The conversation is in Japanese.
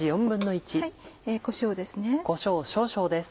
こしょうですね。